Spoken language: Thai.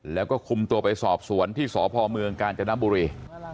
แล้วก็คุมตัวไปสอบสวนที่สพเมืองกาญจนบุรี